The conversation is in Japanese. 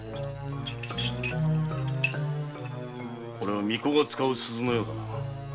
これは巫女が使う鈴のようだな。